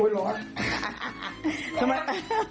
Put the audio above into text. ร้อนร้อนร้อน